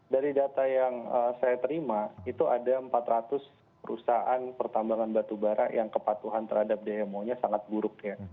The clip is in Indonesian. dari data yang saya terima itu ada empat ratus perusahaan pertambangan batubara yang kepatuhan terhadap dmo nya sangat buruk ya